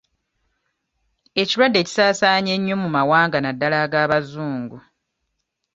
Ekirwadde kisaasaanye nnyo mu mawanga naddala ag'abazungu.